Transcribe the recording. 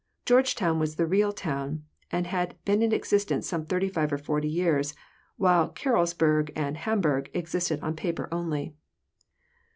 Georgetown was the real town, and had been in existence some 35 or 40 years, while Carrollsburg and Hamburgh existed on paper only.